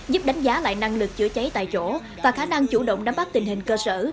giúp đánh giá lại năng lực chữa cháy tại chỗ và khả năng chủ động nắm bắt tình hình cơ sở